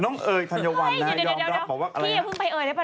เฮ้ยเดี๋ยวพี่อย่าเพิ่งไปเอ่ยได้ป่ะ